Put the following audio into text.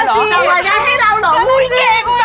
สวยมากเลย